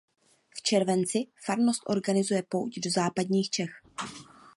V červenci farnost organizuje pouť do západních Čech.